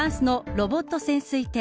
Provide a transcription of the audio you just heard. ロボット潜水艇